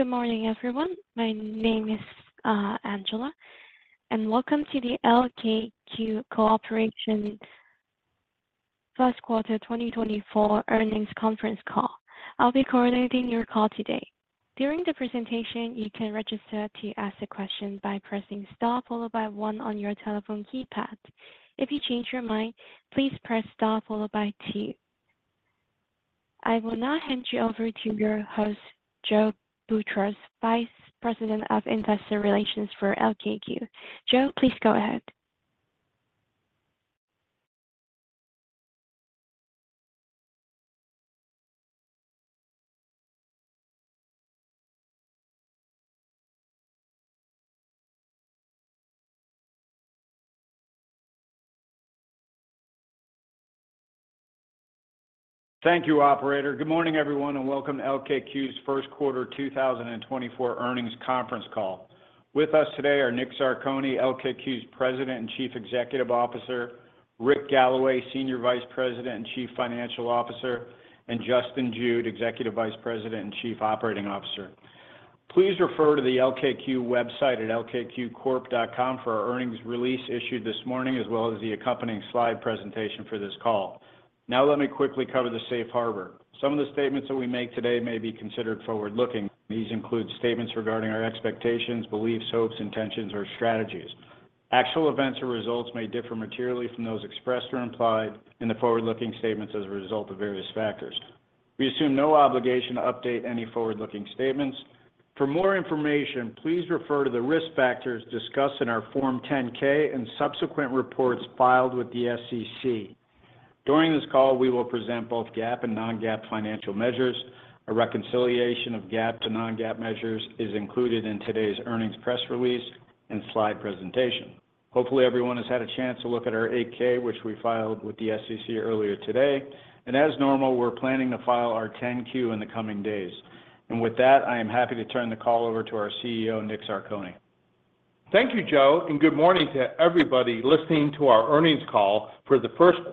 Good morning, everyone. My name is Angela, and welcome to the LKQ Corporation 1Q 2024 earnings conference call. I'll be coordinating your call today. During the presentation, you can register to ask a question by pressing star followed by 1 on your telephone keypad. If you change your mind, please press star followed by 2. I will now hand you over to your host, Joe Boutross, Vice President of Investor Relations for LKQ. Joe, please go ahead. Thank you, Operator. Good morning, everyone, and welcome to LKQ's 1Q 2024 earnings conference call. With us today are Nick Zarcone, LKQ's President and Chief Executive Officer, Rick Galloway, Senior Vice President and Chief Financial Officer, and Justin Jude, Executive Vice President and Chief Operating Officer. Please refer to the LKQ website at LKQCorp.com for our earnings release issued this morning as well as the accompanying slide presentation for this call. Now let me quickly cover the safe harbor. Some of the statements that we make today may be considered forward-looking. These include statements regarding our expectations, beliefs, hopes, intentions, or strategies. Actual events or results may differ materially from those expressed or implied in the forward-looking statements as a result of various factors. We assume no obligation to update any forward-looking statements. For more information, please refer to the risk factors discussed in our Form 10-K and subsequent reports filed with the SEC. During this call, we will present both GAAP and non-GAAP financial measures. A reconciliation of GAAP to non-GAAP measures is included in today's earnings press release and slide presentation. Hopefully, everyone has had a chance to look at our 8-K, which we filed with the SEC earlier today. And as normal, we're planning to file our 10-Q in the coming days. And with that, I am happy to turn the call over to our CEO, Nick Zarcone. Thank you, Joe, and good morning to everybody listening to our earnings call for the 1Q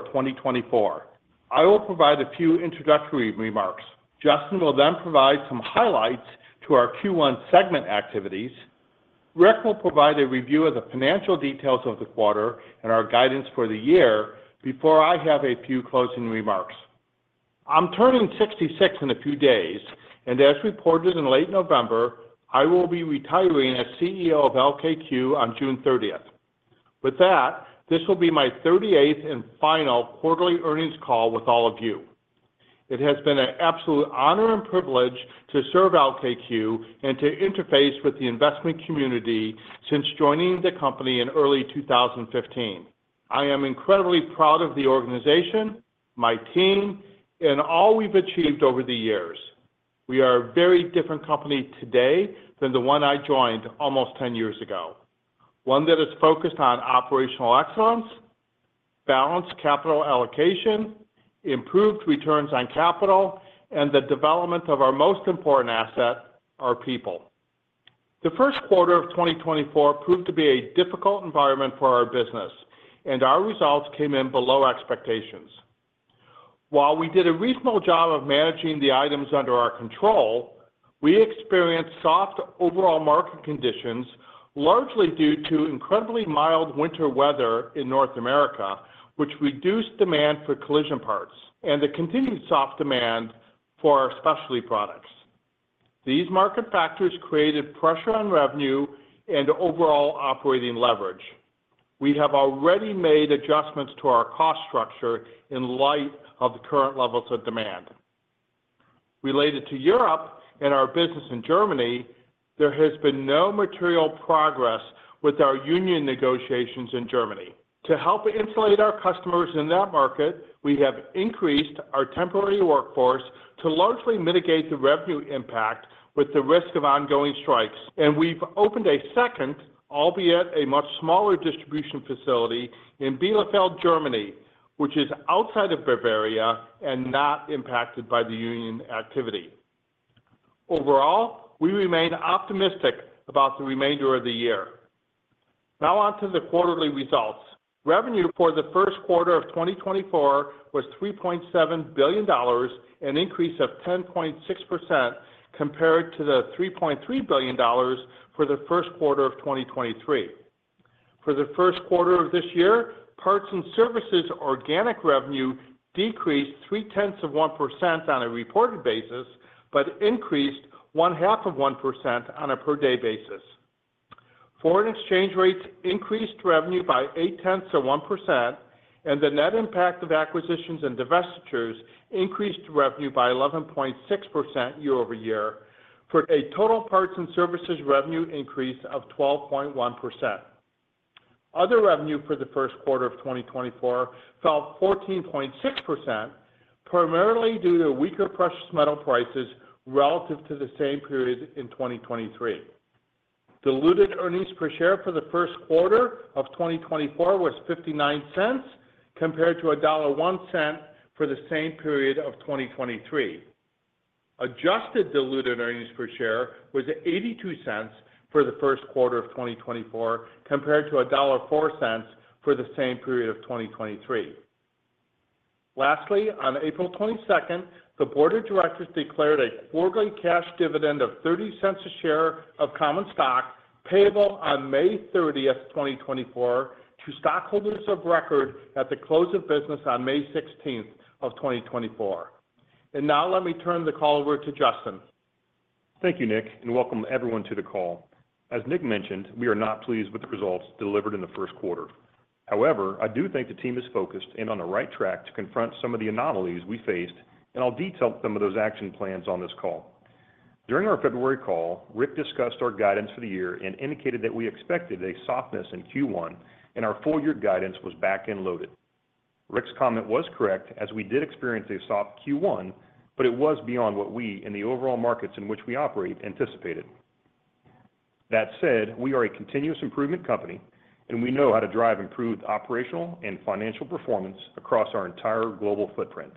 of 2024. I will provide a few introductory remarks. Justin will then provide some highlights to our 1Q segment activities. Rick will provide a review of the financial details of the quarter and our guidance for the year before I have a few closing remarks. I'm turning 66 in a few days, and as reported in late November, I will be retiring as CEO of LKQ on June 30th. With that, this will be my 38th and final quarterly earnings call with all of you. It has been an absolute honor and privilege to serve LKQ and to interface with the investment community since joining the company in early 2015. I am incredibly proud of the organization, my team, and all we've achieved over the years. We are a very different company today than the one I joined almost 10 years ago, one that is focused on operational excellence, balanced capital allocation, improved returns on capital, and the development of our most important asset, our people. The 1Q of 2024 proved to be a difficult environment for our business, and our results came in below expectations. While we did a reasonable job of managing the items under our control, we experienced soft overall market conditions, largely due to incredibly mild winter weather in North America, which reduced demand for collision parts and the continued soft demand for our specialty products. These market factors created pressure on revenue and overall operating leverage. We have already made adjustments to our cost structure in light of the current levels of demand. Related to Europe and our business in Germany, there has been no material progress with our union negotiations in Germany. To help insulate our customers in that market, we have increased our temporary workforce to largely mitigate the revenue impact with the risk of ongoing strikes. We've opened a second, albeit a much smaller distribution facility in Bielefeld, Germany, which is outside of Bavaria and not impacted by the union activity. Overall, we remain optimistic about the remainder of the year. Now onto the quarterly results. Revenue for the 1Q of 2024 was $3.7 billion, an increase of 10.6% compared to the $3.3 billion for the 1Q of 2023. For the 1Q of this year, parts and services organic revenue decreased 0.3% on a reported basis but increased 0.5% on a per-day basis. Foreign exchange rates increased revenue by 0.8%, and the net impact of acquisitions and divestitures increased revenue by 11.6% year-over-year, for a total parts and services revenue increase of 12.1%. Other revenue for the 1Q of 2024 fell 14.6%, primarily due to weaker precious metal prices relative to the same period in 2023. Diluted earnings per share for the 1Q of 2024 was $0.59 compared to $1.01 for the same period of 2023. Adjusted diluted earnings per share was $0.82 for the 1Q of 2024 compared to $1.04 for the same period of 2023. Lastly, on April 22nd, the Board of Directors declared a quarterly cash dividend of $0.30 a share of common stock payable on May 30th, 2024, to stockholders of record at the close of business on May 16th of 2024. Now let me turn the call over to Justin. Thank you, Nick, and welcome everyone to the call. As Nick mentioned, we are not pleased with the results delivered in the 1Q. However, I do think the team is focused and on the right track to confront some of the anomalies we faced, and I'll detail some of those action plans on this call. During our February call, Rick discussed our guidance for the year and indicated that we expected a softness in 1Q, and our full-year guidance was back and loaded. Rick's comment was correct, as we did experience a soft 1Q, but it was beyond what we and the overall markets in which we operate anticipated. That said, we are a continuous improvement company, and we know how to drive improved operational and financial performance across our entire global footprint.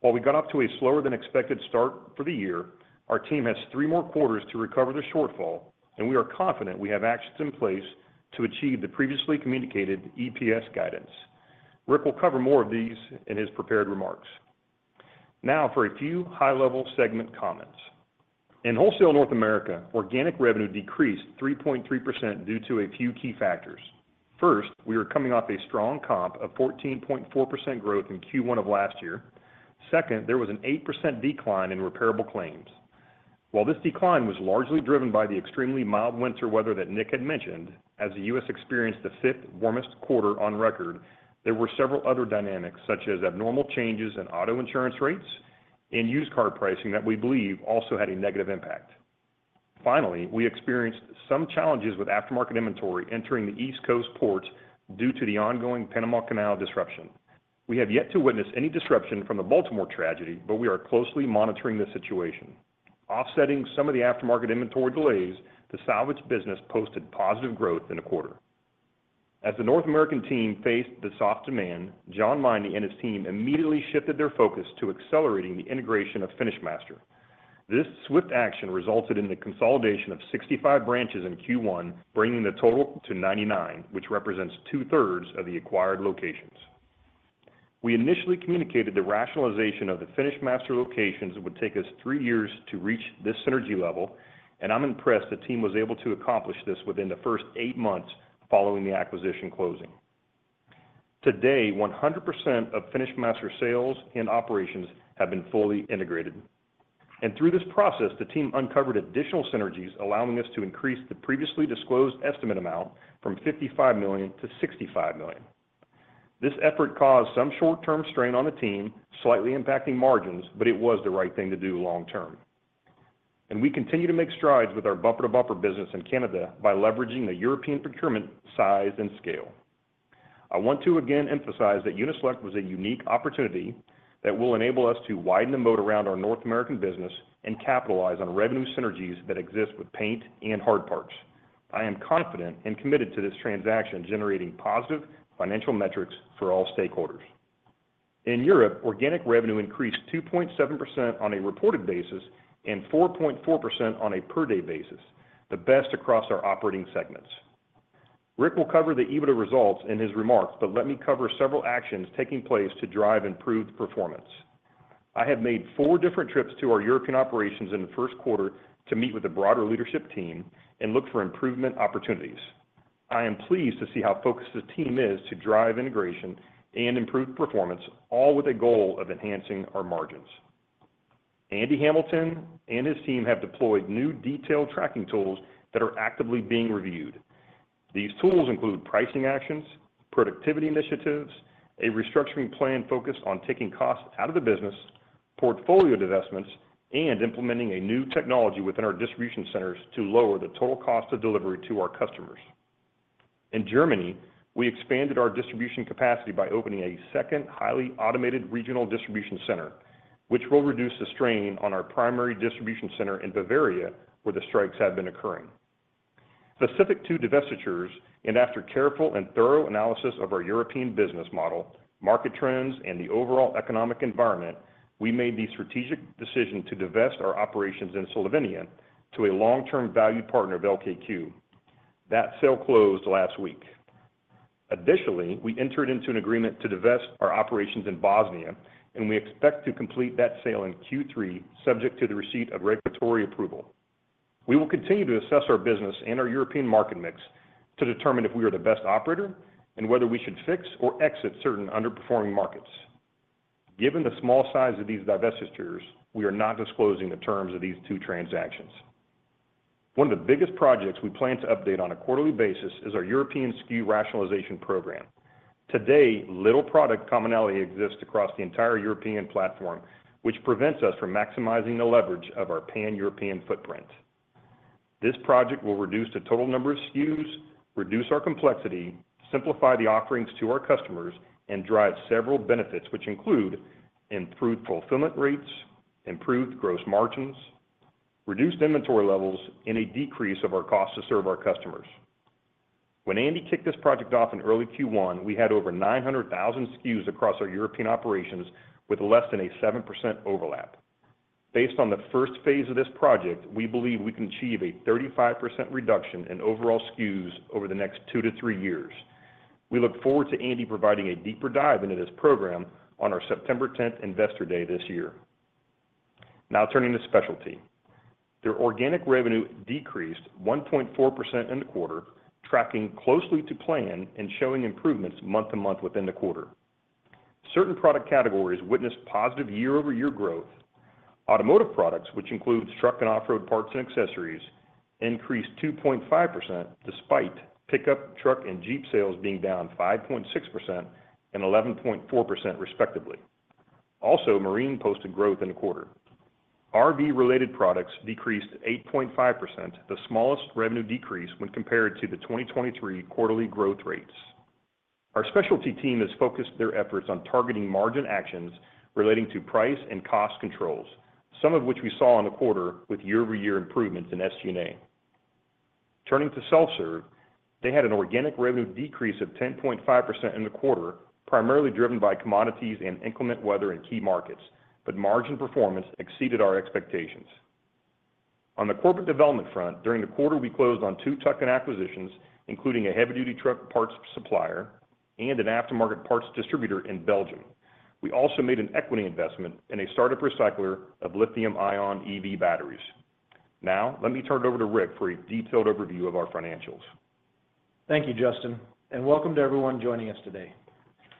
While we got up to a slower-than-expected start for the year, our team has three more quarters to recover the shortfall, and we are confident we have actions in place to achieve the previously communicated EPS guidance. Rick will cover more of these in his prepared remarks. Now for a few high-level segment comments. In Wholesale North America, organic revenue decreased 3.3% due to a few key factors. First, we were coming off a strong comp of 14.4% growth in 1Q of last year. Second, there was an 8% decline in repairable claims. While this decline was largely driven by the extremely mild winter weather that Nick had mentioned, as the U.S. experienced the fifth warmest quarter on record, there were several other dynamics such as abnormal changes in auto insurance rates and used car pricing that we believe also had a negative impact. Finally, we experienced some challenges with aftermarket inventory entering the East Coast ports due to the ongoing Panama Canal disruption. We have yet to witness any disruption from the Baltimore tragedy, but we are closely monitoring the situation. Offsetting some of the aftermarket inventory delays, the salvage business posted positive growth in a quarter. As the North American team faced the soft demand, John Meyne and his team immediately shifted their focus to accelerating the integration of FinishMaster. This swift action resulted in the consolidation of 65 branches in 1Q, bringing the total to 99, which represents two-thirds of the acquired locations. We initially communicated the rationalization of the FinishMaster locations would take us three years to reach this synergy level, and I'm impressed the team was able to accomplish this within the first eight months following the acquisition closing. Today, 100% of FinishMaster sales and operations have been fully integrated. Through this process, the team uncovered additional synergies, allowing us to increase the previously disclosed estimate amount from $55 million-$65 million. This effort caused some short-term strain on the team, slightly impacting margins, but it was the right thing to do long-term. We continue to make strides with our Bumper to Bumper business in Canada by leveraging the European procurement size and scale. I want to again emphasize that Uni-Select was a unique opportunity that will enable us to widen the moat around our North American business and capitalize on revenue synergies that exist with paint and hard parts. I am confident and committed to this transaction generating positive financial metrics for all stakeholders. In Europe, organic revenue increased 2.7% on a reported basis and 4.4% on a per-day basis, the best across our operating segments. Rick will cover the EBITDA results in his remarks, but let me cover several actions taking place to drive improved performance. I have made four different trips to our European operations in the 1Q to meet with the broader leadership team and look for improvement opportunities. I am pleased to see how focused the team is to drive integration and improved performance, all with a goal of enhancing our margins. Andy Hamilton and his team have deployed new detailed tracking tools that are actively being reviewed. These tools include pricing actions, productivity initiatives, a restructuring plan focused on taking costs out of the business, portfolio divestments, and implementing a new technology within our distribution centers to lower the total cost of delivery to our customers. In Germany, we expanded our distribution capacity by opening a second highly automated regional distribution center, which will reduce the strain on our primary distribution center in Bavaria, where the strikes have been occurring. Specific to divestitures, and after careful and thorough analysis of our European business model, market trends, and the overall economic environment, we made the strategic decision to divest our operations in Slovenia to a long-term valued partner of LKQ. That sale closed last week. Additionally, we entered into an agreement to divest our operations in Bosnia, and we expect to complete that sale in Q3 subject to the receipt of regulatory approval. We will continue to assess our business and our European market mix to determine if we are the best operator and whether we should fix or exit certain underperforming markets. Given the small size of these divestitures, we are not disclosing the terms of these two transactions. One of the biggest projects we plan to update on a quarterly basis is our European SKU rationalization program. Today, little product commonality exists across the entire European platform, which prevents us from maximizing the leverage of our pan-European footprint. This project will reduce the total number of SKUs, reduce our complexity, simplify the offerings to our customers, and drive several benefits, which include improved fulfillment rates, improved gross margins, reduced inventory levels, and a decrease of our cost to serve our customers. When Andy kicked this project off in early Q1, we had over 900,000 SKUs across our European operations with less than a 7% overlap. Based on the first phase of this project, we believe we can achieve a 35% reduction in overall SKUs over the next two to three years. We look forward to Andy providing a deeper dive into this program on our September 10th Investor Day this year. Now turning to specialty. Their organic revenue decreased 1.4% in the quarter, tracking closely to plan and showing improvements month-to-month within the quarter. Certain product categories witnessed positive year-over-year growth. Automotive products, which include truck and off-road parts and accessories, increased 2.5% despite pickup, truck, and Jeep sales being down 5.6% and 11.4%, respectively. Also, marine posted growth in the quarter. RV-related products decreased 8.5%, the smallest revenue decrease when compared to the 2023 quarterly growth rates. Our specialty team has focused their efforts on targeting margin actions relating to price and cost controls, some of which we saw in the quarter with year-over-year improvements in SG&A. Turning to self-serve, they had an organic revenue decrease of 10.5% in the quarter, primarily driven by commodities and inclement weather in key markets, but margin performance exceeded our expectations. On the corporate development front, during the quarter, we closed on two tuck-in acquisitions, including a heavy-duty truck parts supplier and an aftermarket parts distributor in Belgium. We also made an equity investment in a startup recycler of lithium-ion EV batteries. Now let me turn it over to Rick for a detailed overview of our financials. Thank you, Justin, and welcome to everyone joining us today.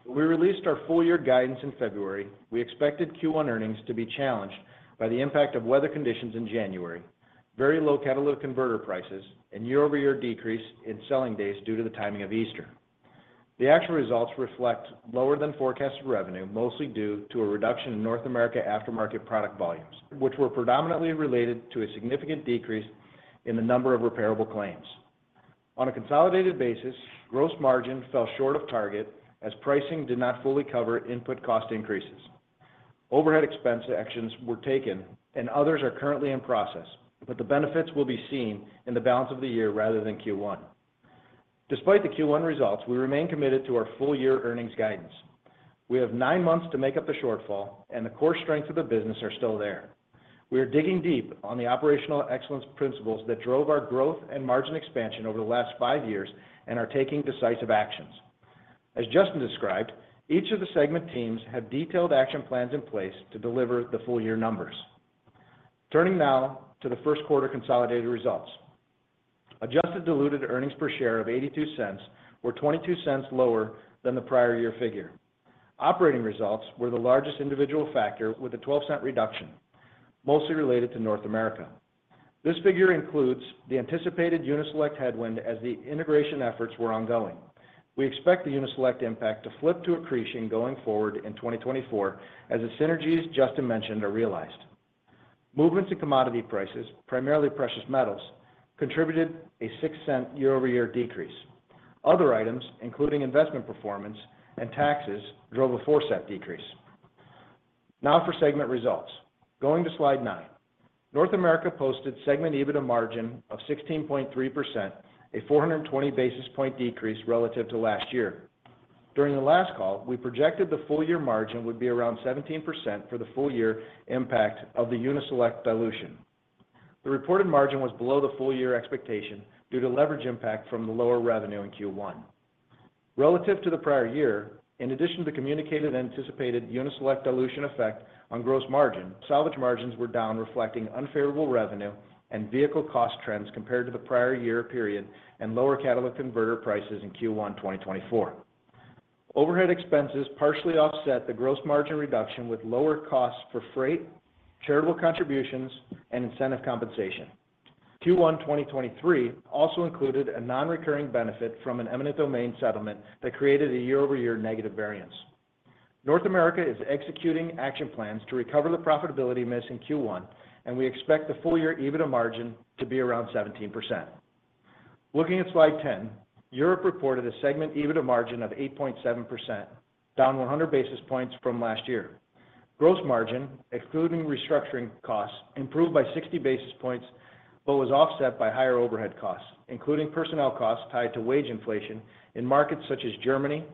When we released our full-year guidance in February, we expected Q1 earnings to be challenged by the impact of weather conditions in January, very low catalytic converter prices, and year-over-year decrease in selling days due to the timing of Easter. The actual results reflect lower than forecasted revenue, mostly due to a reduction in North America aftermarket product volumes, which were predominantly related to a significant decrease in the number of repairable claims. On a consolidated basis, gross margin fell short of target as pricing did not fully cover input cost increases. Overhead expense actions were taken, and others are currently in process, but the benefits will be seen in the balance of the year rather than Q1. Despite the Q1 results, we remain committed to our full-year earnings guidance. We have 9 months to make up the shortfall, and the core strengths of the business are still there. We are digging deep on the operational excellence principles that drove our growth and margin expansion over the last 5 years and are taking decisive actions. As Justin described, each of the segment teams have detailed action plans in place to deliver the full-year numbers. Turning now to the 1Q consolidated results. Adjusted diluted earnings per share of $0.82 were $0.22 lower than the prior year figure. Operating results were the largest individual factor with a $0.12 reduction, mostly related to North America. This figure includes the anticipated Uni-Select headwind as the integration efforts were ongoing. We expect the Uni-Select impact to flip to accretion going forward in 2024 as the synergies Justin mentioned are realized. Movements in commodity prices, primarily precious metals, contributed a $0.06 year-over-year decrease. Other items, including investment performance and taxes, drove a $0.04 decrease. Now for segment results. Going to slide nine. North America posted segment EBITDA margin of 16.3%, a 420 basis point decrease relative to last year. During the last call, we projected the full-year margin would be around 17% for the full-year impact of the Uni-Select dilution. The reported margin was below the full-year expectation due to leverage impact from the lower revenue in Q1. Relative to the prior year, in addition to the communicated and anticipated Uni-Select dilution effect on gross margin, salvage margins were down, reflecting unfavorable revenue and vehicle cost trends compared to the prior year period and lower catalytic converter prices in Q1 2024. Overhead expenses partially offset the gross margin reduction with lower costs for freight, charitable contributions, and incentive compensation. 1Q 2023 also included a non-recurring benefit from an eminent domain settlement that created a year-over-year negative variance. North America is executing action plans to recover the profitability miss in Q1, and we expect the full-year EBITDA margin to be around 17%. Looking at slide 10, Europe reported a segment EBITDA margin of 8.7%, down 100 basis points from last year. Gross margin, excluding restructuring costs, improved by 60 basis points but was offset by higher overhead costs, including personnel costs tied to wage inflation in markets such as Germany,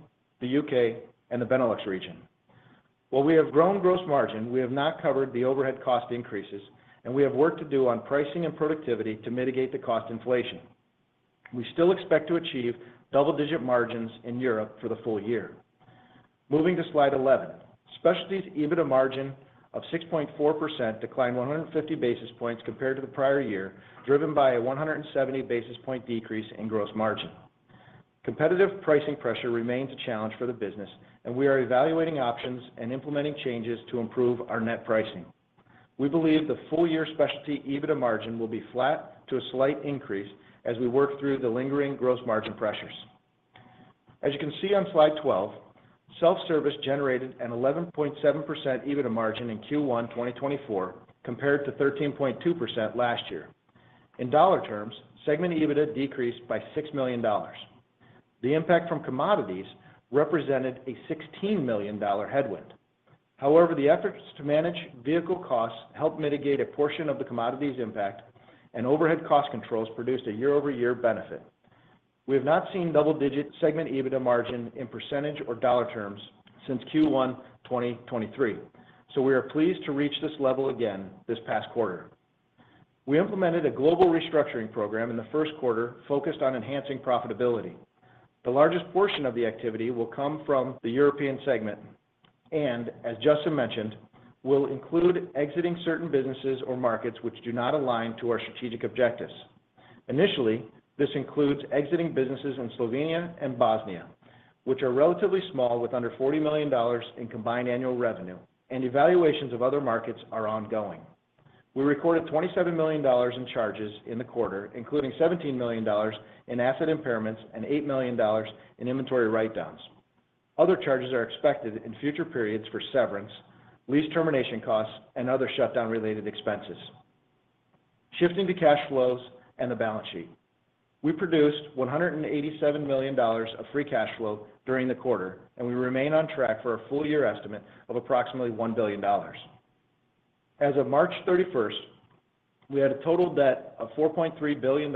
the UK, and the Benelux region. While we have grown gross margin, we have not covered the overhead cost increases, and we have work to do on pricing and productivity to mitigate the cost inflation. We still expect to achieve double-digit margins in Europe for the full year. Moving to slide 11. Specialties EBITDA margin of 6.4% declined 150 basis points compared to the prior year, driven by a 170 basis points decrease in gross margin. Competitive pricing pressure remains a challenge for the business, and we are evaluating options and implementing changes to improve our net pricing. We believe the full-year specialty EBITDA margin will be flat to a slight increase as we work through the lingering gross margin pressures. As you can see on slide 12, self-service generated an 11.7% EBITDA margin in 1Q 2024 compared to 13.2% last year. In dollar terms, segment EBITDA decreased by $6 million. The impact from commodities represented a $16 million headwind. However, the efforts to manage vehicle costs helped mitigate a portion of the commodities impact, and overhead cost controls produced a year-over-year benefit. We have not seen double-digit segment EBITDA margin in percentage or dollar terms since Q1 2023, so we are pleased to reach this level again this past quarter. We implemented a global restructuring program in the 1Q focused on enhancing profitability. The largest portion of the activity will come from the European segment and, as Justin mentioned, will include exiting certain businesses or markets which do not align to our strategic objectives. Initially, this includes exiting businesses in Slovenia and Bosnia, which are relatively small with under $40 million in combined annual revenue, and evaluations of other markets are ongoing. We recorded $27 million in charges in the quarter, including $17 million in asset impairments and $8 million in inventory write-downs. Other charges are expected in future periods for severance, lease termination costs, and other shutdown-related expenses. Shifting to cash flows and the balance sheet. We produced $187 million of free cash flow during the quarter, and we remain on track for a full-year estimate of approximately $1 billion. As of March 31st, we had a total debt of $4.3 billion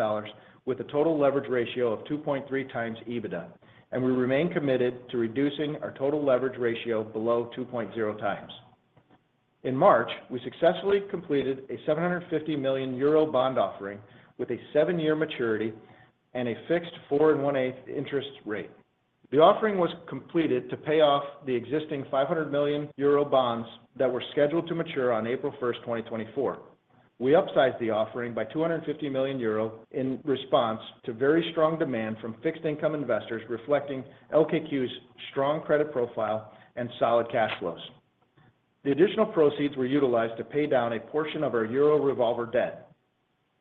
with a total leverage ratio of 2.3x EBITDA, and we remain committed to reducing our total leverage ratio below 2.0x. In March, we successfully completed a €750 million bond offering with a seven-year maturity and a fixed 4.18% interest rate. The offering was completed to pay off the existing €500 million bonds that were scheduled to mature on April 1st, 2024. We upsized the offering by €250 million in response to very strong demand from fixed-income investors reflecting LKQ's strong credit profile and solid cash flows. The additional proceeds were utilized to pay down a portion of our euro revolver debt.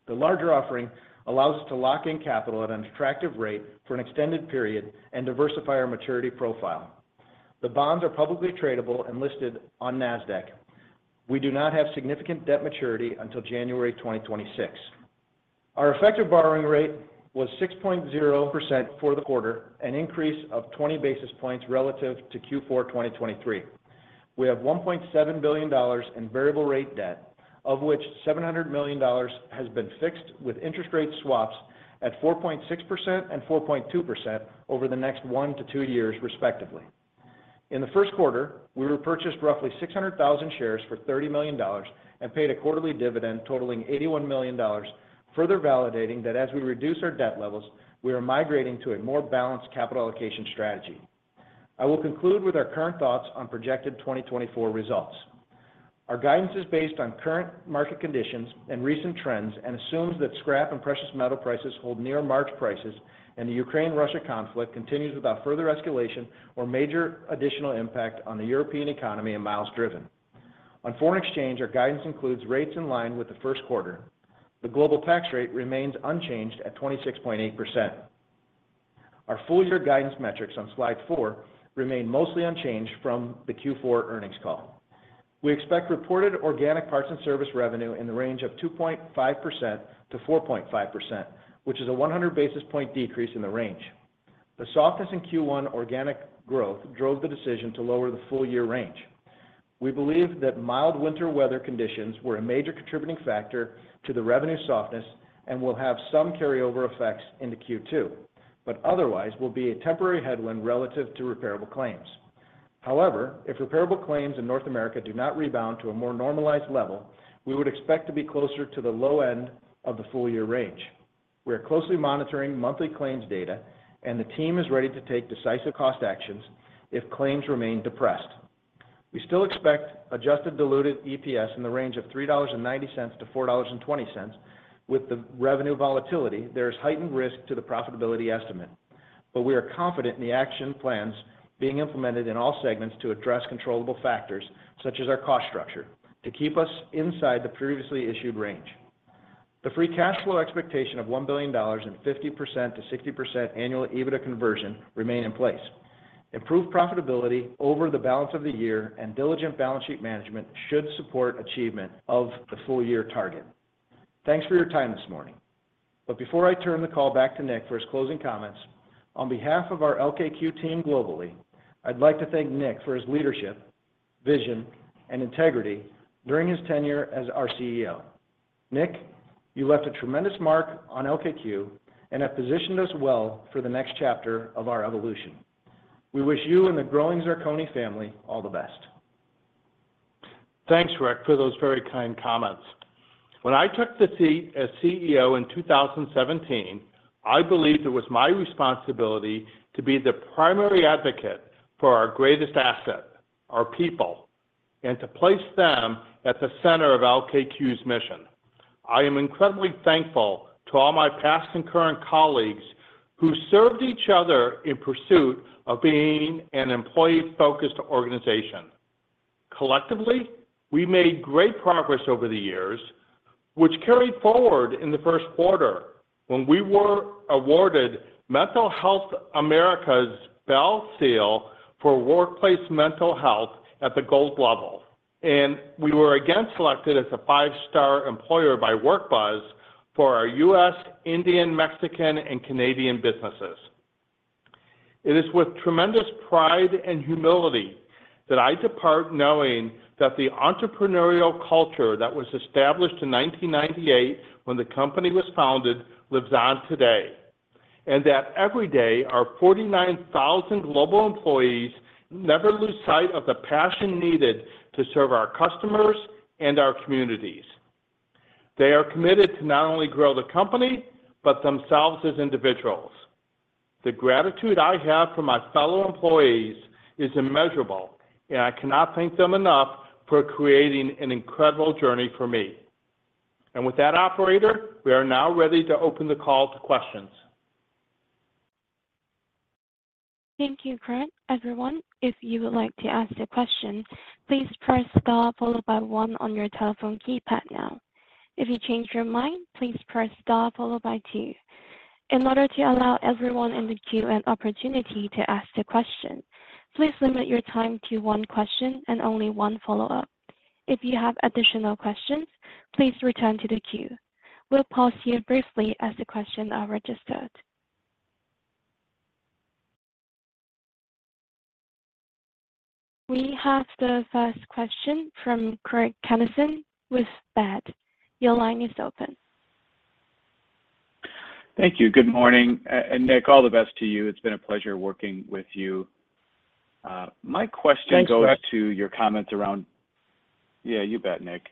The larger offering allows us to lock in capital at an attractive rate for an extended period and diversify our maturity profile. The bonds are publicly tradable and listed on NASDAQ. We do not have significant debt maturity until January 2026. Our effective borrowing rate was 6.0% for the quarter, an increase of 20 basis points relative to Q4 2023. We have $1.7 billion in variable-rate debt, of which $700 million has been fixed with interest-rate swaps at 4.6% and 4.2% over the next 1-2 years, respectively. In the 1Q, we repurchased roughly 600,000 shares for $30 million and paid a quarterly dividend totaling $81 million, further validating that as we reduce our debt levels, we are migrating to a more balanced capital allocation strategy. I will conclude with our current thoughts on projected 2024 results. Our guidance is based on current market conditions and recent trends and assumes that scrap and precious metal prices hold near March prices, and the Ukraine-Russia conflict continues without further escalation or major additional impact on the European economy and miles driven. On foreign exchange, our guidance includes rates in line with the 1Q. The global tax rate remains unchanged at 26.8%. Our full-year guidance metrics on slide four remain mostly unchanged from the Q4 earnings call. We expect reported organic parts and service revenue in the range of 2.5%-4.5%, which is a 100 basis point decrease in the range. The softness in Q1 organic growth drove the decision to lower the full-year range. We believe that mild winter weather conditions were a major contributing factor to the revenue softness and will have some carryover effects into Q2, but otherwise will be a temporary headwind relative to repairable claims. However, if repairable claims in North America do not rebound to a more normalized level, we would expect to be closer to the low end of the full-year range. We are closely monitoring monthly claims data, and the team is ready to take decisive cost actions if claims remain depressed. We still expect adjusted diluted EPS in the range of $3.90-$4.20. With the revenue volatility, there is heightened risk to the profitability estimate, but we are confident in the action plans being implemented in all segments to address controllable factors such as our cost structure to keep us inside the previously issued range. The free cash flow expectation of $1 billion and 50%-60% annual EBITDA conversion remain in place. Improved profitability over the balance of the year and diligent balance sheet management should support achievement of the full-year target. Thanks for your time this morning. But before I turn the call back to Nick for his closing comments, on behalf of our LKQ team globally, I'd like to thank Nick for his leadership, vision, and integrity during his tenure as our CEO. Nick, you left a tremendous mark on LKQ and have positioned us well for the next chapter of our evolution. We wish you and the growing Zarcone family all the best. Thanks, Rick, for those very kind comments. When I took the seat as CEO in 2017, I believed it was my responsibility to be the primary advocate for our greatest asset, our people, and to place them at the center of LKQ's mission. I am incredibly thankful to all my past and current colleagues who served each other in pursuit of being an employee-focused organization. Collectively, we made great progress over the years, which carried forward in the 1Q when we were awarded Mental Health America's Bell Seal for workplace mental health at the gold level, and we were again selected as a five-star employer by WorkBuzz for our U.S., Indian, Mexican, and Canadian businesses. It is with tremendous pride and humility that I depart knowing that the entrepreneurial culture that was established in 1998 when the company was founded lives on today, and that every day our 49,000 global employees never lose sight of the passion needed to serve our customers and our communities. They are committed to not only grow the company but themselves as individuals. The gratitude I have for my fellow employees is immeasurable, and I cannot thank them enough for creating an incredible journey for me. With that, operator, we are now ready to open the call to questions. Thank you, Curt. Everyone, if you would like to ask a question, please press star followed by one on your telephone keypad now. If you change your mind, please press star followed by two. In order to allow everyone in the queue an opportunity to ask a question, please limit your time to one question and only one follow-up. If you have additional questions, please return to the queue. We'll pause here briefly as the questions are registered. We have the first question from Craig Kennison with Baird. Your line is open. Thank you. Good morning. Nick, all the best to you. It's been a pleasure working with you. My question goes to your comments around yeah, you bet, Nick.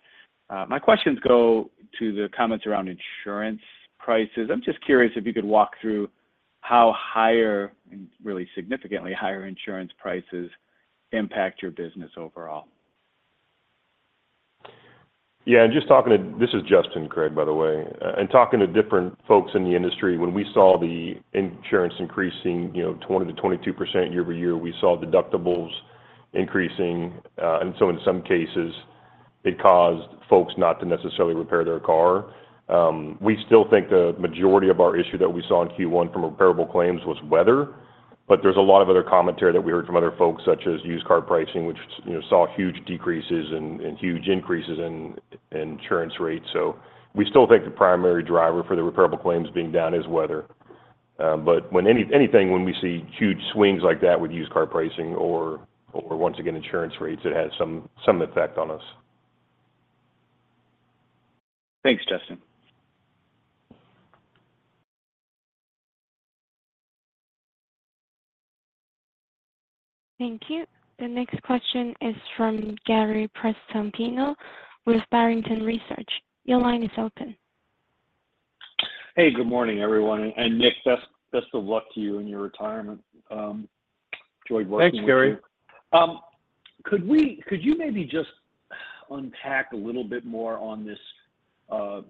My questions go to the comments around insurance prices. I'm just curious if you could walk through how higher and really significantly higher insurance prices impact your business overall. Yeah. And just talking to this is Justin, Craig, by the way. And talking to different folks in the industry, when we saw the insurance increasing 20%-22% year-over-year, we saw deductibles increasing. And so in some cases, it caused folks not to necessarily repair their car. We still think the majority of our issue that we saw in Q1 from repairable claims was weather, but there's a lot of other commentary that we heard from other folks such as used car pricing, which saw huge decreases and huge increases in insurance rates. So we still think the primary driver for the repairable claims being down is weather. But anything, when we see huge swings like that with used car pricing or, once again, insurance rates, it has some effect on us. Thanks, Justin. Thank you. The next question is from Gary Prestopino with Barrington Research. Your line is open. Hey, good morning, everyone. Nick, best of luck to you in your retirement. Enjoyed working with you. Thanks, Gary. Could you maybe just unpack a little bit more on this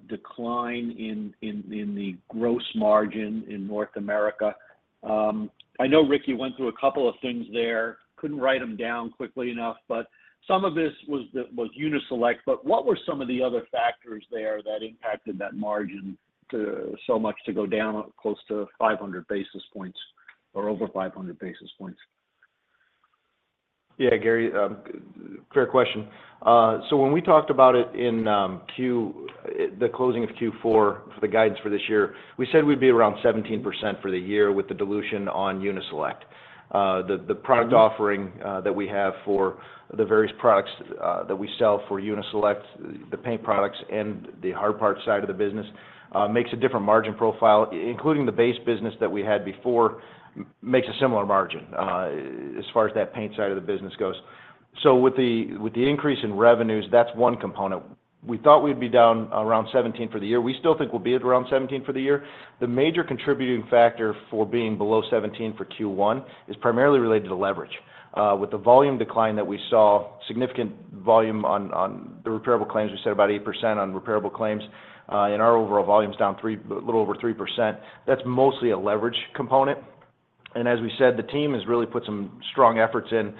decline in the gross margin in North America? I know Rick went through a couple of things there. Couldn't write them down quickly enough, but some of this was Uni-Select. But what were some of the other factors there that impacted that margin so much to go down close to 500 basis points or over 500 basis points? Yeah, Gary, fair question. So when we talked about it in the closing of Q4 for the guidance for this year, we said we'd be around 17% for the year with the dilution on Uni-Select. The product offering that we have for the various products that we sell for Uni-Select, the paint products and the hard part side of the business, makes a different margin profile. Including the base business that we had before makes a similar margin as far as that paint side of the business goes. So with the increase in revenues, that's one component. We thought we'd be down around 17% for the year. We still think we'll be at around 17% for the year. The major contributing factor for being below 17% for Q1 is primarily related to leverage. With the volume decline that we saw, significant volume on the repairable claims, we said about 8% on repairable claims. Our overall volume's down a little over 3%. That's mostly a leverage component. As we said, the team has really put some strong efforts in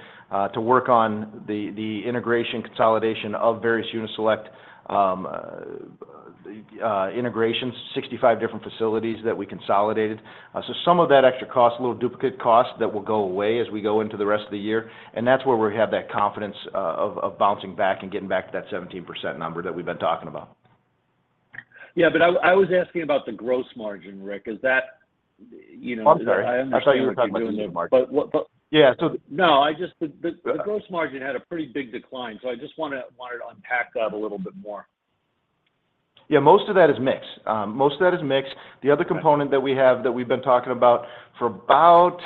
to work on the integration, consolidation of various Uni-Select integrations, 65 different facilities that we consolidated. So some of that extra cost, a little duplicate cost that will go away as we go into the rest of the year. That's where we have that confidence of bouncing back and getting back to that 17% number that we've been talking about. Yeah, but I was asking about the gross margin, Rick. Is that? I'm sorry. I thought you were talking about the gross margin. Yeah. No, the gross margin had a pretty big decline. So I just wanted to unpack that a little bit more. Yeah, most of that is mixed. Most of that is mixed. The other component that we have that we've been talking about for about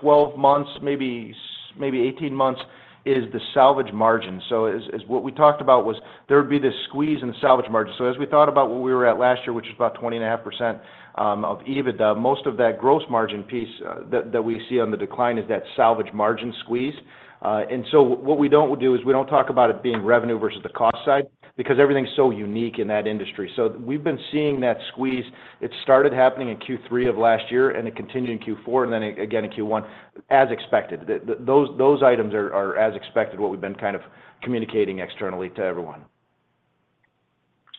12 months, maybe 18 months, is the salvage margin. So what we talked about was there would be this squeeze in the salvage margin. So as we thought about where we were at last year, which is about 20.5% of EBITDA, most of that gross margin piece that we see on the decline is that salvage margin squeeze. And so what we don't do is we don't talk about it being revenue versus the cost side because everything's so unique in that industry. So we've been seeing that squeeze. It started happening in Q3 of last year, and it continued in Q4, and then again in 1Q, as expected. Those items are as expected, what we've been kind of communicating externally to everyone.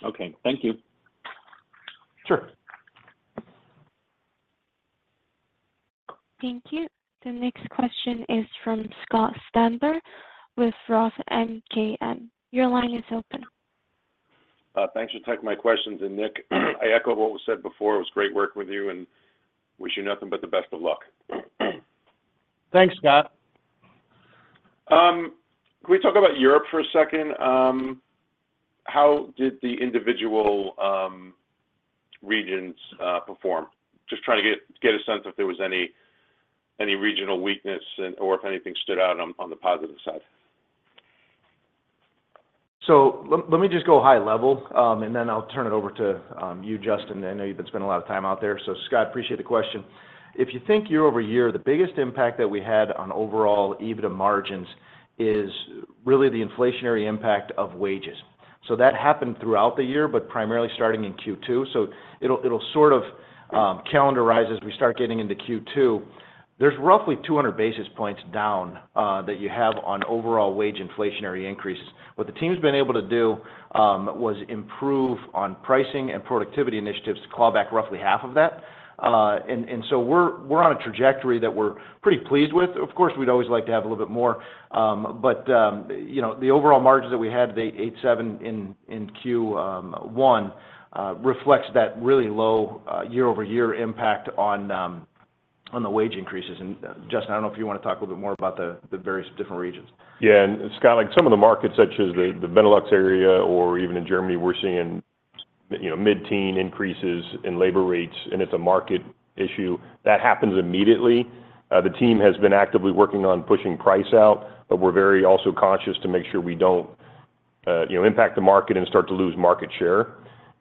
Okay. Thank you. Sure. Thank you. The next question is from Scott Stember with Roth MKM. Your line is open. Thanks for taking my questions. Nick, I echo what was said before. It was great working with you, and wish you nothing but the best of luck. Thanks, Scott. Can we talk about Europe for a second? How did the individual regions perform? Just trying to get a sense if there was any regional weakness or if anything stood out on the positive side. So let me just go high level, and then I'll turn it over to you, Justin. I know you've been spending a lot of time out there. So Scott, appreciate the question. If you think year-over-year, the biggest impact that we had on overall EBITDA margins is really the inflationary impact of wages. So that happened throughout the year, but primarily starting in Q2. So it'll sort of calendarize as we start getting into Q2. There's roughly 200 basis points down that you have on overall wage inflationary increases. What the team's been able to do was improve on pricing and productivity initiatives to claw back roughly half of that. And so we're on a trajectory that we're pretty pleased with. Of course, we'd always like to have a little bit more. But the overall margins that we had, the 8.7% in Q,1 reflects that really low year-over-year impact on the wage increases. And Justin, I don't know if you want to talk a little bit more about the various different regions. Yeah. And Scott, some of the markets, such as the Benelux area or even in Germany, we're seeing mid-teen increases in labor rates, and it's a market issue. That happens immediately. The team has been actively working on pushing price out, but we're very also conscious to make sure we don't impact the market and start to lose market share.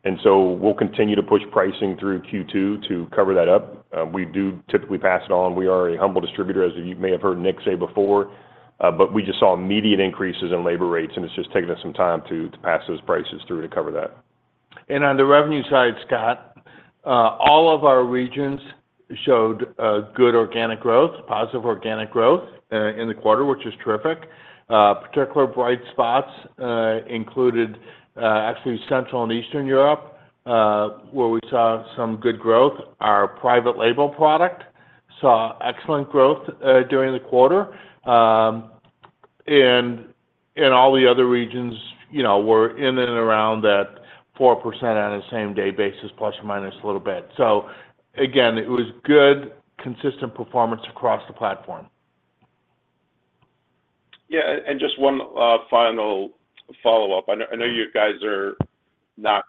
And so we'll continue to push pricing through Q2 to cover that up. We do typically pass it on. We are a humble distributor, as you may have heard Nick say before, but we just saw immediate increases in labor rates, and it's just taken us some time to pass those prices through to cover that. On the revenue side, Scott, all of our regions showed good organic growth, positive organic growth in the quarter, which is terrific. Particular bright spots included actually Central and Eastern Europe, where we saw some good growth. Our private label product saw excellent growth during the quarter. And all the other regions were in and around that 4% on a same-day basis, plus or minus a little bit. So again, it was good, consistent performance across the platform. Yeah. Just one final follow-up. I know you guys are not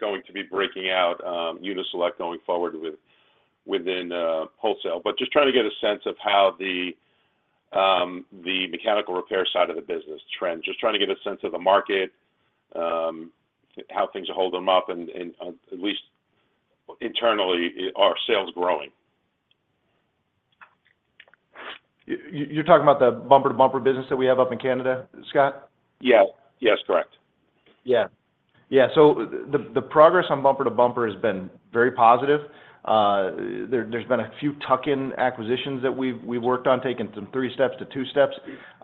going to be breaking out Uni-Select going forward within wholesale, but just trying to get a sense of how the mechanical repair side of the business trends, just trying to get a sense of the market, how things are holding them up, and at least internally, are sales growing? You're talking about the Bumper to Bumper business that we have up in Canada, Scott? Yes. Yes, correct. Yeah. Yeah. So the progress on Bumper to Bumper has been very positive. There's been a few tuck-in acquisitions that we've worked on, taking some 3 steps to 2 steps.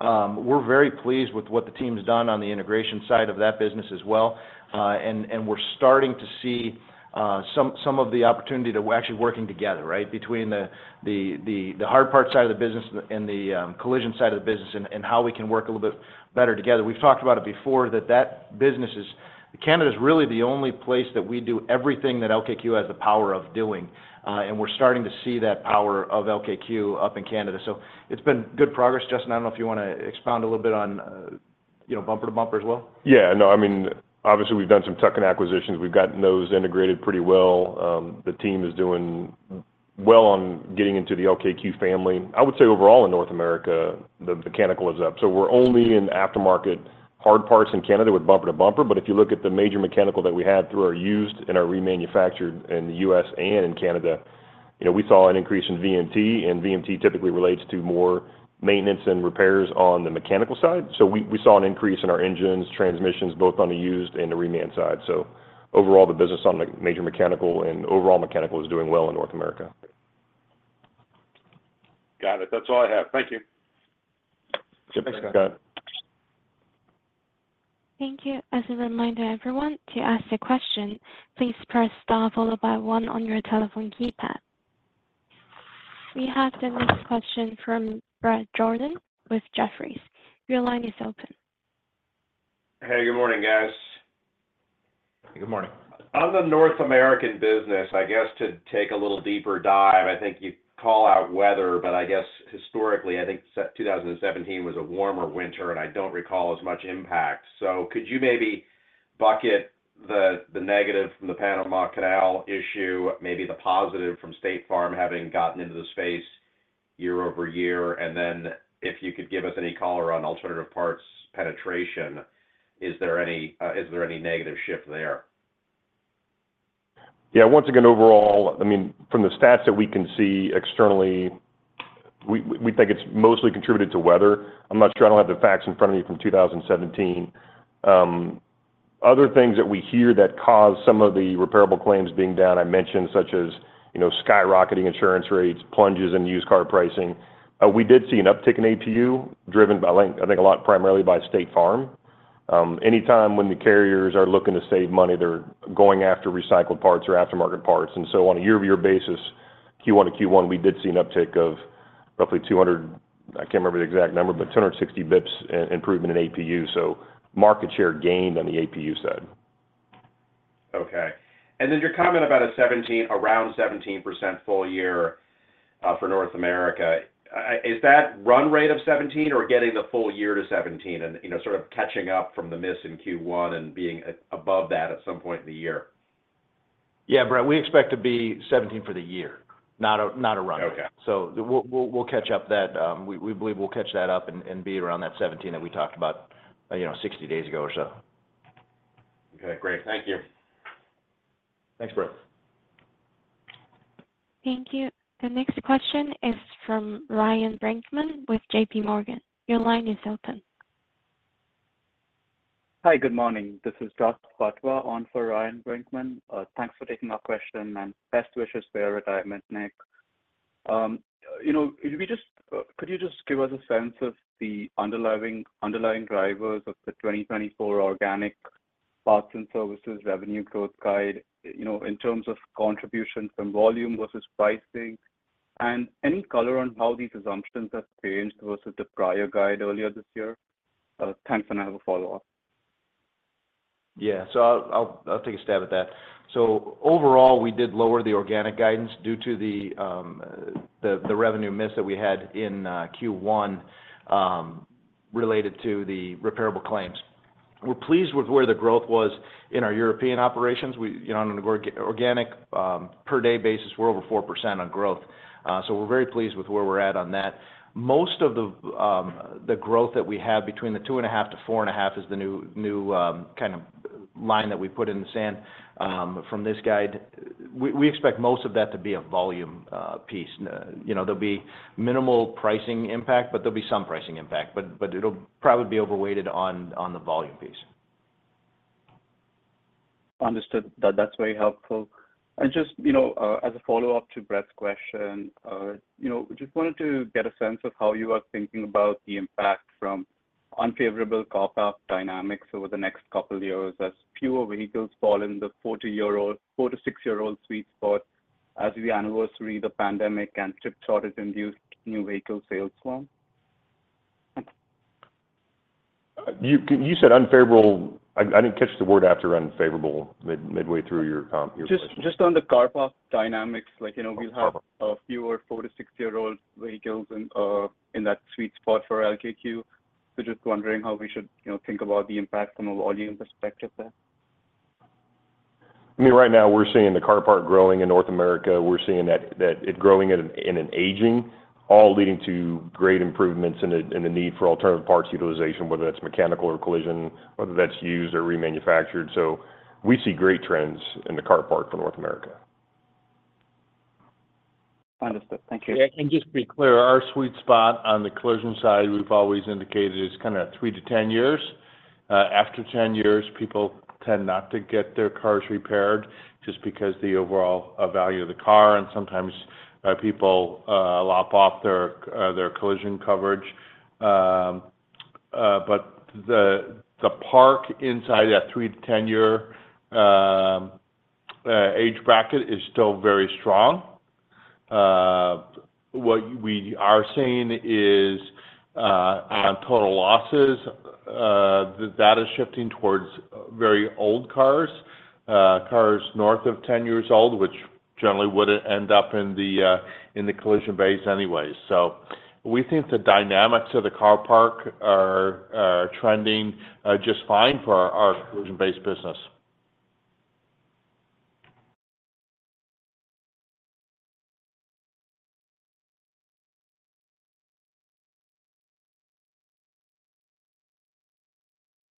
We're very pleased with what the team's done on the integration side of that business as well. And we're starting to see some of the opportunity to actually working together, right, between the hard part side of the business and the collision side of the business and how we can work a little bit better together. We've talked about it before, that Canada is really the only place that we do everything that LKQ has the power of doing. And we're starting to see that power of LKQ up in Canada. So it's been good progress, Justin. I don't know if you want to expound a little bit on Bumper to Bumper as well. Yeah. No. I mean, obviously, we've done some tuck-in acquisitions. We've gotten those integrated pretty well. The team is doing well on getting into the LKQ family. I would say overall in North America, the mechanical is up. So we're only in aftermarket hard parts in Canada with Bumper to Bumper. But if you look at the major mechanical that we had through our used and our remanufactured in the U.S. and in Canada, we saw an increase in VMT. And VMT typically relates to more maintenance and repairs on the mechanical side. So we saw an increase in our engines, transmissions, both on the used and the reman side. So overall, the business on the major mechanical and overall mechanical is doing well in North America. Got it. That's all I have. Thank you. Yep. Thanks, Scott. Thank you. As a reminder to everyone, to ask a question, please press star followed by one on your telephone keypad. We have the next question from Bret Jordan with Jefferies. Your line is open. Hey. Good morning, guys. Hey. Good morning. On the North American business, I guess to take a little deeper dive, I think you call out weather, but I guess historically, I think 2017 was a warmer winter, and I don't recall as much impact. So could you maybe bucket the negative from the Panama Canal issue, maybe the positive from State Farm having gotten into the space year-over-year? And then if you could give us any color on alternative parts penetration, is there any negative shift there? Yeah. Once again, overall, I mean, from the stats that we can see externally, we think it's mostly contributed to weather. I'm not sure. I don't have the facts in front of me from 2017. Other things that we hear that cause some of the repairable claims being down, I mentioned, such as skyrocketing insurance rates, plunges in used car pricing. We did see an uptick in APU driven, I think, a lot primarily by State Farm. Anytime when the carriers are looking to save money, they're going after recycled parts or aftermarket parts. And so on a year-over-year basis, Q1 to Q1, we did see an uptick of roughly 200. I can't remember the exact number, but 260 basis points improvement in APU. So market share gained on the APU side. Okay. And then your comment about a 17%, around 17% full year for North America, is that run rate of 17% or getting the full year to 17% and sort of catching up from the miss in Q1 and being above that at some point in the year? Yeah, Bret, we expect to be 17 for the year, not a run rate. So we'll catch up that. We believe we'll catch that up and be around that 17 that we talked about 60 days ago or so. Okay. Great. Thank you. Thanks, Brett. Thank you. The next question is from Ryan Brinkman with JPMorgan. Your line is open. Hi. Good morning. This is Jash Patwa on for Ryan Brinkman. Thanks for taking our question, and best wishes for your retirement, Nick. Could you just give us a sense of the underlying drivers of the 2024 organic parts and services revenue growth guide in terms of contribution from volume versus pricing? And any color on how these assumptions have changed versus the prior guide earlier this year? Thanks, and I have a follow-up. Yeah. So I'll take a stab at that. So overall, we did lower the organic guidance due to the revenue miss that we had in Q1 related to the repairable claims. We're pleased with where the growth was in our European operations. On an organic per-day basis, we're over 4% on growth. So we're very pleased with where we're at on that. Most of the growth that we have between the 2.5 - 4.5 is the new kind of line that we put in the sand from this guide. We expect most of that to be a volume piece. There'll be minimal pricing impact, but there'll be some pricing impact. But it'll probably be overweighted on the volume piece. Understood. That's very helpful. And just as a follow-up to Bret's question, just wanted to get a sense of how you are thinking about the impact from unfavorable cohort dynamics over the next couple of years as fewer vehicles fall in the 4-6-year-old sweet spot as the anniversary of the pandemic and chip shortage-induced new vehicle sales swarm? You said unfavorable. I didn't catch the word after unfavorable midway through your question. Just on the car parc dynamics, we'll have fewer 4-6-year-old vehicles in that sweet spot for LKQ. So just wondering how we should think about the impact from a volume perspective there. I mean, right now, we're seeing the car parc growing in North America. We're seeing it growing in an aging car parc, all leading to great improvements in the need for alternative parts utilization, whether that's mechanical or collision, whether that's used or remanufactured. So we see great trends in the car parc for North America. Understood. Thank you. Just to be clear, our sweet spot on the collision side, we've always indicated is kind of 3-10 years. After 10 years, people tend not to get their cars repaired just because of the overall value of the car. And sometimes people lop off their collision coverage. But the car parc inside that 3-10-year age bracket is still very strong. What we are seeing is on total losses, that is shifting towards very old cars, cars north of 10 years old, which generally would end up in the collision space anyways. So we think the dynamics of the car parc are trending just fine for our collision-based business.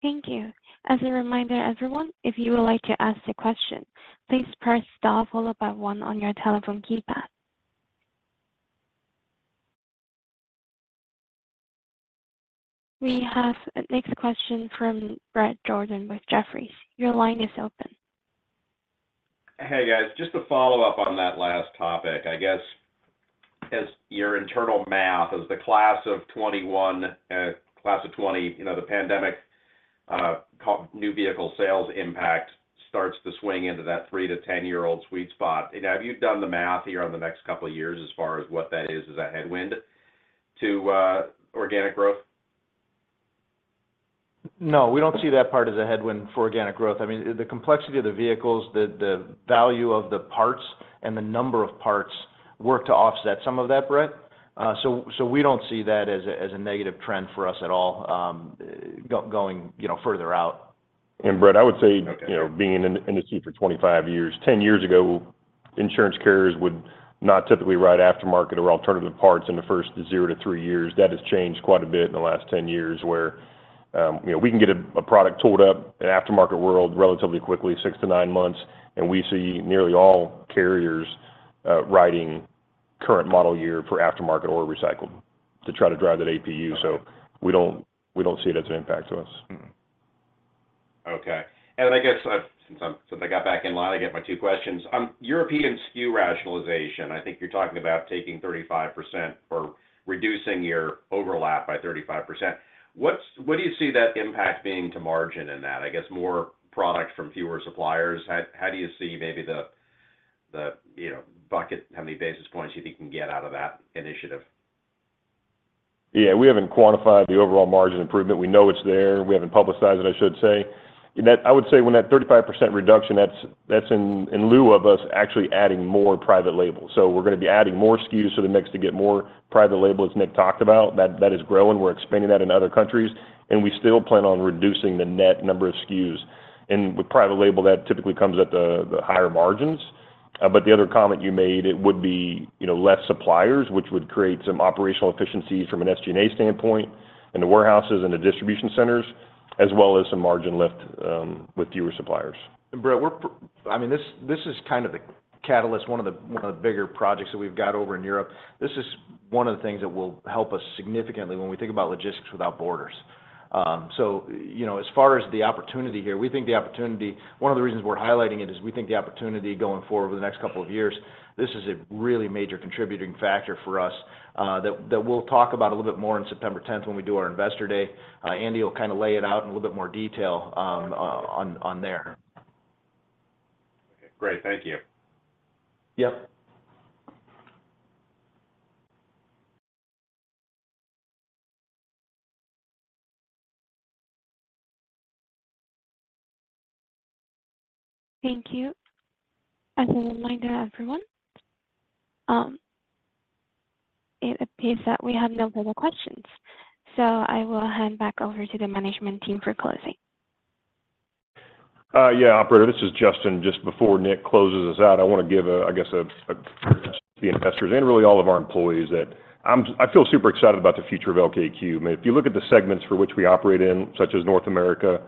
Thank you. As a reminder, everyone, if you would like to ask a question, please press star followed by one on your telephone keypad. We have a next question from Bret Jordan with Jefferies. Your line is open. Hey, guys. Just a follow-up on that last topic. I guess your internal math, as the class of 2021, class of 2020, the pandemic new vehicle sales impact starts to swing into that 3-10-year-old sweet spot. Now, have you done the math here on the next couple of years as far as what that is? Is that a headwind to organic growth? No. We don't see that part as a headwind for organic growth. I mean, the complexity of the vehicles, the value of the parts, and the number of parts work to offset some of that, Brett. So we don't see that as a negative trend for us at all going further out. And Brett, I would say being in the industry for 25 years, 10 years ago, insurance carriers would not typically write aftermarket or alternative parts in the first 0-3 years. That has changed quite a bit in the last 10 years where we can get a product tooled up in the aftermarket world relatively quickly, 6-9 months. And we see nearly all carriers writing current model year for aftermarket or recycled to try to drive that APU. So we don't see it as an impact to us. Okay. And I guess since I got back in line, I get my two questions. European SKU rationalization, I think you're talking about taking 35% or reducing your overlap by 35%. What do you see that impact being to margin in that? I guess more product from fewer suppliers. How do you see maybe the bucket, how many basis points you think you can get out of that initiative? Yeah. We haven't quantified the overall margin improvement. We know it's there. We haven't publicized it, I should say. And I would say, when that 35% reduction, that's in lieu of us actually adding more private labels. So we're going to be adding more SKUs to the mix to get more private label, as Nick talked about. That is growing. We're expanding that in other countries. And we still plan on reducing the net number of SKUs. And with private label, that typically comes at the higher margins. But the other comment you made, it would be less suppliers, which would create some operational efficiencies from an SG&A standpoint in the warehouses and the distribution centers, as well as some margin lift with fewer suppliers. Bret, I mean, this is kind of the catalyst, one of the bigger projects that we've got over in Europe. This is one of the things that will help us significantly when we think about logistics without borders. So as far as the opportunity here, we think the opportunity one of the reasons we're highlighting it is we think the opportunity going forward over the next couple of years, this is a really major contributing factor for us that we'll talk about a little bit more on September 10th when we do our investor day. Andy will kind of lay it out in a little bit more detail on there. Okay. Great. Thank you. Yep. Thank you. As a reminder, everyone, it appears that we have no further questions. So I will hand back over to the management team for closing. Yeah, Operator, this is Justin. Just before Nick closes us out, I want to give, I guess, a question to the investors and really all of our employees that I feel super excited about the future of LKQ. I mean, if you look at the segments for which we operate in, such as North America,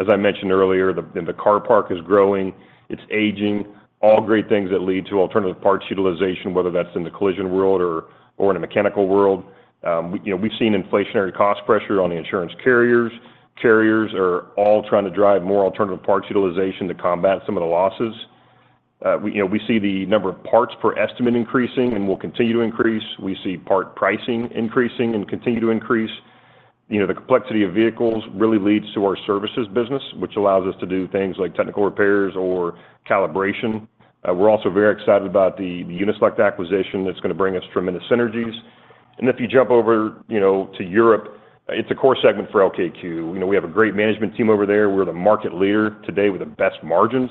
as I mentioned earlier, the car park is growing. It's aging. All great things that lead to alternative parts utilization, whether that's in the collision world or in a mechanical world. We've seen inflationary cost pressure on the insurance carriers. Carriers are all trying to drive more alternative parts utilization to combat some of the losses. We see the number of parts per estimate increasing, and we'll continue to increase. We see part pricing increasing and continue to increase. The complexity of vehicles really leads to our services business, which allows us to do things like technical repairs or calibration. We're also very excited about the Uni-Select acquisition that's going to bring us tremendous synergies. If you jump over to Europe, it's a core segment for LKQ. We have a great management team over there. We're the market leader today with the best margins.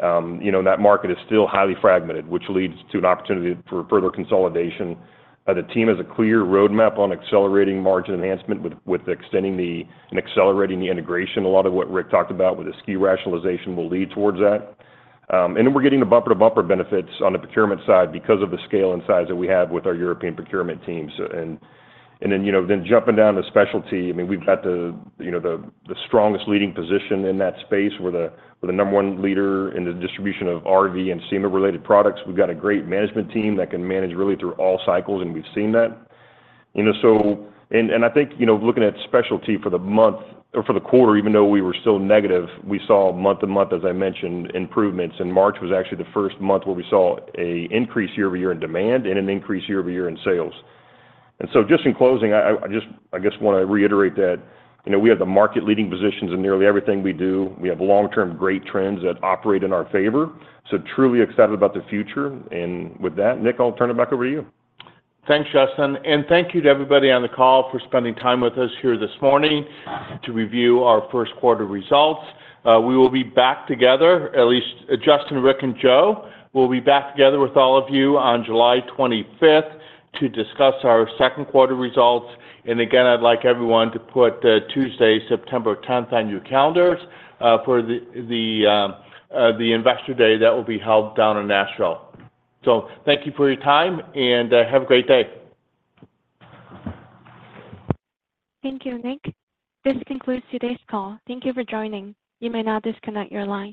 That market is still highly fragmented, which leads to an opportunity for further consolidation. The team has a clear roadmap on accelerating margin enhancement with extending and accelerating the integration. A lot of what Rick talked about with the SKU rationalization will lead towards that. Then we're getting the Bumper-to-Bumper benefits on the procurement side because of the scale and size that we have with our European procurement teams. And then jumping down to specialty, I mean, we've got the strongest leading position in that space. We're the number one leader in the distribution of RV and SEMA-related products. We've got a great management team that can manage really through all cycles, and we've seen that. And I think looking at specialty for the month or for the quarter, even though we were still negative, we saw month-to-month, as I mentioned, improvements. And March was actually the first month where we saw an increase year-over-year in demand and an increase year-over-year in sales. And so just in closing, I just, I guess, want to reiterate that we have the market-leading positions in nearly everything we do. We have long-term great trends that operate in our favor. So truly excited about the future. With that, Nick, I'll turn it back over to you. Thanks, Justin. And thank you to everybody on the call for spending time with us here this morning to review our 1Q results. We will be back together, at least Justin, Rick, and Joe will be back together with all of you on July 25th to discuss our second quarter results. And again, I'd like everyone to put Tuesday, September 10th, on your calendars for the investor day that will be held down in Nashville. So thank you for your time, and have a great day. Thank you, Nick. This concludes today's call. Thank you for joining. You may now disconnect your line.